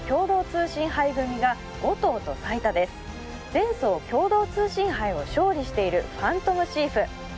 前走共同通信杯を勝利しているファントムシーフ